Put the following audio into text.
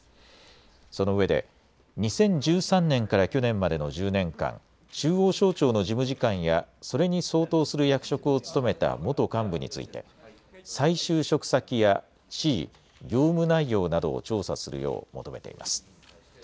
そのうえで２０１３年から去年までの１０年間、中央省庁の事務次官やそれに相当する役職を務めた元幹部について再就職先や地位、業務内容などを調査するよう求めています。